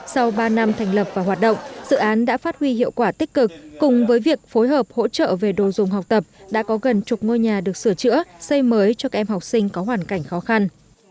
sau ba năm thành lập và hoạt động dự án đã phát huy hiệu quả tích cực cùng với việc phối hợp hỗ trợ về đồ dùng học tập đã có gần chục ngôi nhà được sửa chữa xây mới cho các em học sinh có hoàn cảnh khó khăn